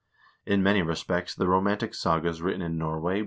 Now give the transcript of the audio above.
In many respects the romantic sagas written in Norway bring 1 E.